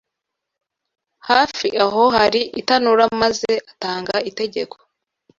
Hafi aho hari itanura maze atanga itegeko